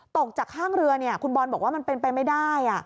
ตกจากข้างเรือคุณบอลบอกว่ามันเป็นไปไม่ได้